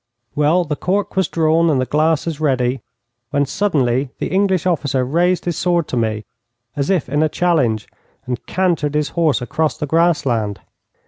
Well, the cork was drawn and the glasses ready, when suddenly the English officer raised his sword to me as if in a challenge, and cantered his horse across the grassland.